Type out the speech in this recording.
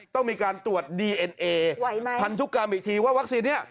ต้องมีการตรวจดีเอ็นเอพันธุกรรมอีกทีว่าวัคซีนนี้